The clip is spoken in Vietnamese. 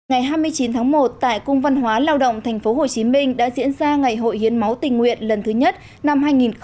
ngày hai mươi chín tháng một tại cung văn hóa lao động tp hcm đã diễn ra ngày hội hiến máu tình nguyện lần thứ nhất năm hai nghìn một mươi chín